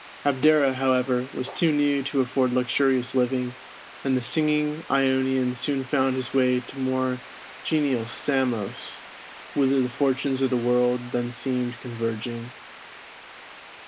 Abdera, however, was too new to afford luxurious living, and the singing Ionian soon found his way to more genial Samos, whither the fortunes of the world then seemed converging.